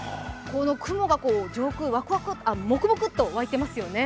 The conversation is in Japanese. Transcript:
雲が上空、もくもくっと湧いてますよね。